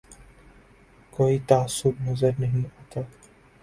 کوئی تعصب نظر نہیں آتا